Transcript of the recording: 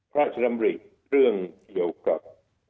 พระอาจารย์เรียกเรื่องเกี่ยวกับ